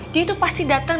dia tuh pasti datang